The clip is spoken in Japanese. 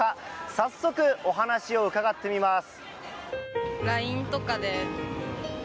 早速、お話を伺ってみます。